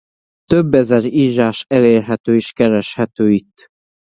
Több ezer írás elérhető és kereshető itt.